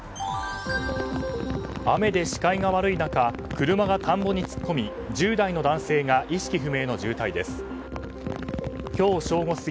雨で視界が悪い中車が田んぼに突っ込み１０代の男性が意識不明の重体です。